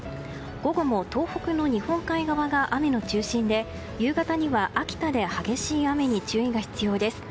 午後も東北の日本海側が雨の中心で夕方には秋田で激しい雨に注意が必要です。